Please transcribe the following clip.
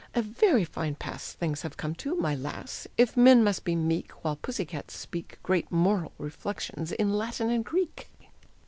A very fine pass Things have come to, my lass, If men must be meek While pussy cats speak Great moral reflections in Latin and Greek!"